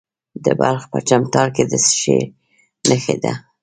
د بلخ په چمتال کې د څه شي نښې دي؟